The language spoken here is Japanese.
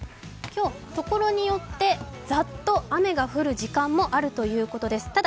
今日、ところによってざっと雨が降る時間もあるということです。